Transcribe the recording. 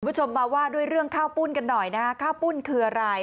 คุณผู้ชมมาว่าด้วยเรื่องข้าวปุ้นกันหน่อยนะฮะข้าวปุ้นคืออะไร